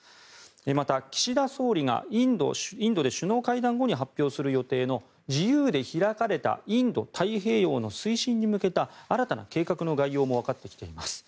また、岸田総理がインドで首脳会談後に発表する予定の自由で開かれたインド太平洋の推進に向けた新たな計画の概要もわかってきています。